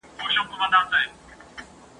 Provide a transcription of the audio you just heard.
پل غوندي بې سترګو یم ملګری د کاروان یمه !.